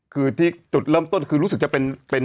คือที่จุดเริ่มต้นคือรู้สึกจะเป็น